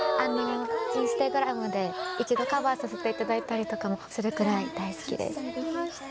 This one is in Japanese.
インスタグラムで一度カバーさせていただいたりとかもするくらい大好きです。